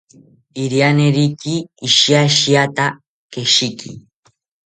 Irianeriki ishiashiata keshiki